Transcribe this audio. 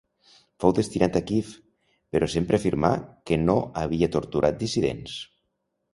Fou destinat a Kíev, però sempre afirmà que no havia torturat dissidents.